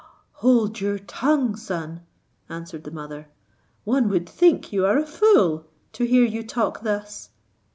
"Hold your tongue, son," answered the mother "one would think you are a fool, to hear you talk thus."